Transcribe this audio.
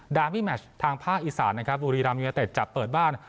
ดามี่แมชทางภาคอีสานนะครับบุรีรัมยูเนเต็ดจะเปิดบ้าน